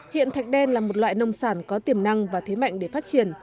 hiện thạch đen là một loại nông sản có tiềm năng và thế mạnh để phát triển